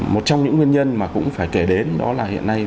một trong những nguyên nhân mà cũng phải kể đến đó là hiện nay